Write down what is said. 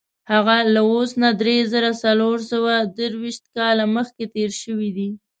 هغه له اوس نه دری زره څلور سوه درویشت کاله مخکې تېر شوی دی.